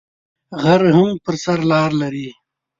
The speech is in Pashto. غر هم پر سر لار لری